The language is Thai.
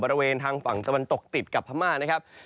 บริเวณทางฝั่งตะวันตกติดกับพม่านะครับ